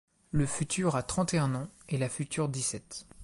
Le futur a trente et un ans et la future dix-sept.